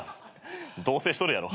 同棲しとるやろ。